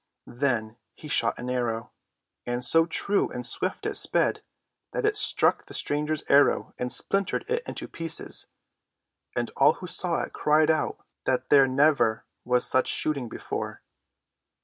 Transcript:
Then he shot an arrow; and so true and swift it sped that it struck the stranger's arrow and splintered it into pieces. And all who saw it cried out that there never was such shooting before.